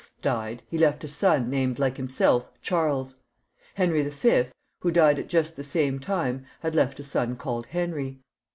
died, he left a son named like himself Charles. Henry V., who died, as I said, at just the same time, had left a son called Henry.